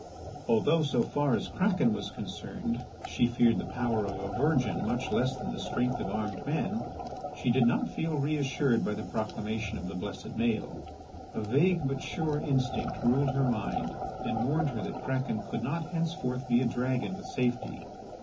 Although, so far as Kraken was concerned, she feared the power of a virgin much less than the strength of armed men, she did not feel reassured by the proclamation of the blessed Maël. A vague but sure instinct ruled her mind and warned her that Kraken could not henceforth be a dragon with safety.